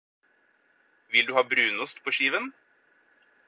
Vil du ha brunost på skiven?